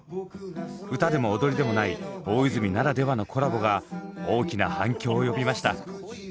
歌でも踊りでもない大泉ならではのコラボが大きな反響を呼びました。